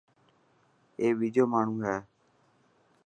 اي ٻيجو ماڻهو هي.